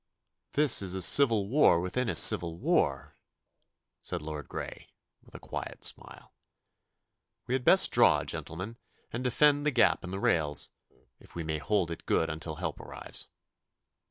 'This is a civil war within a civil war,' said Lord Grey, with a quiet smile. 'We had best draw, gentlemen, and defend the gap in the rails, if we may hold it good until help arrives.